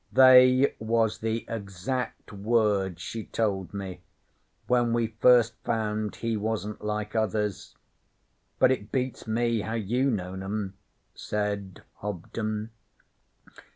'They was the exact words she told me when we first found he wasn't like others. But it beats me how you known 'em,' said Hobden.